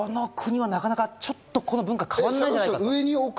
私、１１年前なんですが、この国はなかなかちょっと、この文化は変わらないんじゃないかと。